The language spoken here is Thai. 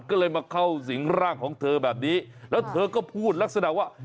ก็เลยมาเข้าสิงร่างของเธอแบบนี้แล้วเธอก็พูดลักษณะว่า